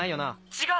違う！